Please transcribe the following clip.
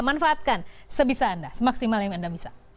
manfaatkan sebisa anda semaksimal yang anda bisa